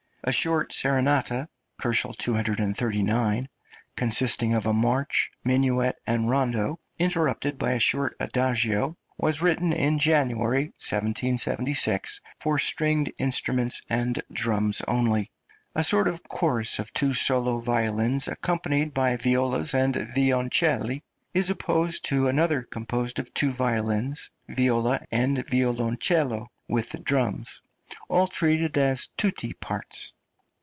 A short serenata (239 K.), consisting of a march, minuet, and rondo, interrupted by a short adagio, was written in January, 1776, for stringed instruments and drums only. A sort of chorus of two solo violins, accompanied by violas and violoncelli, is opposed to another, composed of two violins, viola, and violoncello, with the drums, all treated as tutti parts.